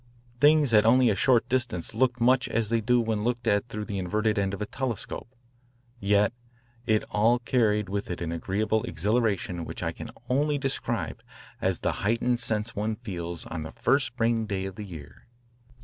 Things at only a short distance looked much as they do when looked at through the inverted end of a telescope. Yet it all carried with it an agreeable exhilaration which I can only describe as the heightened sense one feels on the first spring day of the year.